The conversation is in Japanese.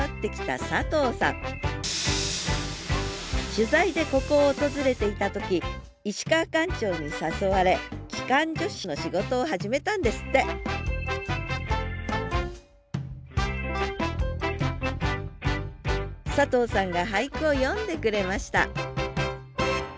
取材でここを訪れていた時石川館長に誘われ機関助士の仕事を始めたんですって佐藤さんが俳句を詠んでくれました